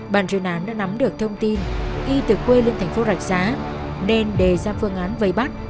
bàn truyền án đã nắm được thông tin y tực quê lưng thành phố rạch xá nên đề ra phương án vầy bắt